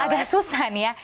agak susah nih ya